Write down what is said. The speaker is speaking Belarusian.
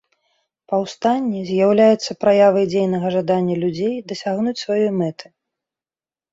Паўстанне з'яўляецца праявай дзейнага жадання людзей дасягнуць сваёй мэты.